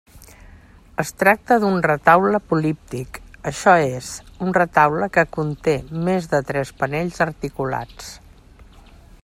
Es tracta d'un retaule políptic, això és, un retaule que conté més de tres panells articulats.